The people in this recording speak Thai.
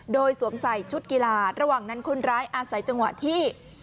โดยสวมใส่ชุดกีฬาระหว่างนั้นคนร้ายอาศัยจังหวะที่